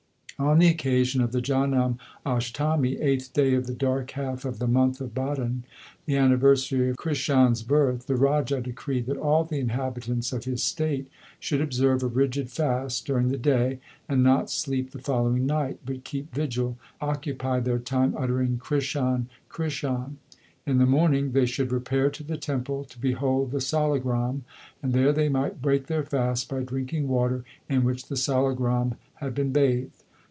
On the occasion of the Janam Ashtami eighth day of the dark half of the month of Bhadon the anniversary of Krishan s birth, the Raja decreed that all the inhabitants of his state should observe a rigid fast during the day, and not sleep the following night, but keep vigil and occupy their time uttering Krishan, Krishan . In the morning they should repair to the temple to behold the salagram ; and there they might break their fast by drinking water in which the salagram had been bathed.